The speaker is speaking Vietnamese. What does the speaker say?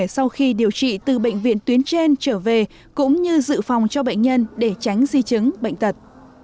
sau khi điều trị từ bệnh viện tuyến trên trở về cũng như dự phòng cho bệnh nhân để tránh di chứng bệnh tật